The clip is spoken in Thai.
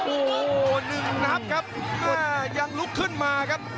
โอ้โหหนึ่งนับครับยังลุกขึ้นมาครับ